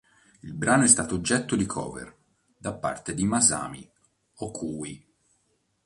Il brano è stato oggetto di cover da parte di Masami Okui.